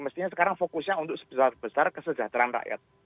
mestinya sekarang fokusnya untuk sebesar besar kesejahteraan rakyat